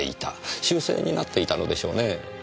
習性になっていたのでしょうねぇ。